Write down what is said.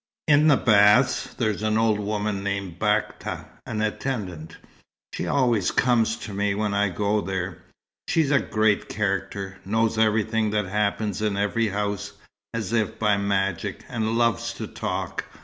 "In the baths, there's an old woman named Bakta an attendant. She always comes to me when I go there. She's a great character knows everything that happens in every house, as if by magic; and loves to talk.